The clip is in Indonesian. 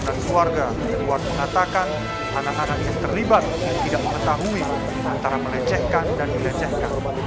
keluarga keluar mengatakan anak anak yang terlibat tidak mengetahui antara melecehkan dan dilecehkan